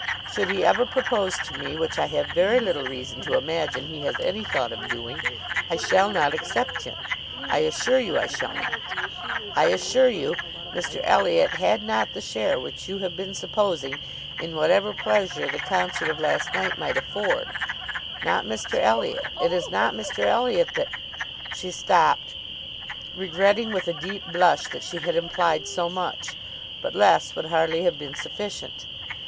Should he ever propose to me (which I have very little reason to imagine he has any thought of doing), I shall not accept him. I assure you I shall not. I assure you, Mr Elliot had not the share which you have been supposing, in whatever pleasure the concert of last night might afford: not Mr Elliot; it is not Mr Elliot that—" She stopped, regretting with a deep blush that she had implied so much; but less would hardly have been sufficient.